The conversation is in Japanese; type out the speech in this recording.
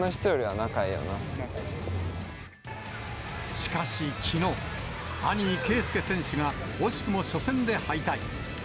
しかしきのう、兄、圭祐選手が惜しくも初戦で敗退。